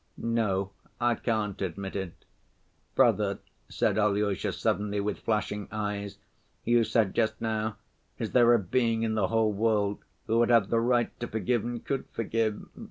"No, I can't admit it. Brother," said Alyosha suddenly, with flashing eyes, "you said just now, is there a being in the whole world who would have the right to forgive and could forgive?